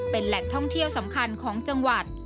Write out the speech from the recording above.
เป็นแหล่งท่องเที่ยวสำคัญของจังหวัด